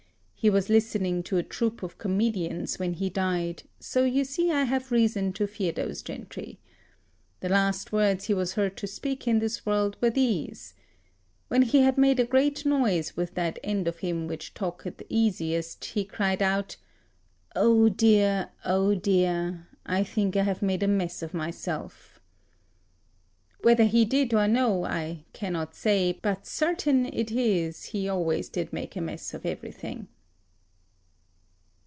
He was listening to a troupe of comedians when he died, so you see I have reason to fear those gentry. The last words he was heard to speak in this world were these. When he had made a great noise with that end of him which talked easiest, he cried out, "Oh dear, oh dear! I think I have made a mess of myself." Whether he did or no, I cannot say, but certain it is he always did make a mess of everything.